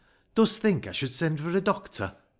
Dost think I should send for a doctor ?